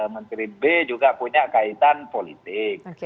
menteri b juga punya kaitan politik